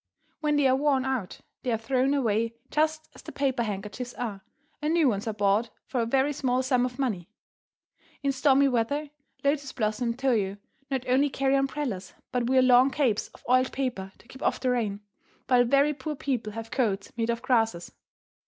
When they are worn out, they are thrown away just as the paper handkerchiefs are, and new ones are bought for a very small sum of money. In stormy weather Lotus Blossom and Toyo not only carry umbrellas, but wear long capes of oiled paper to keep off the rain, while very poor people have coats made of grasses.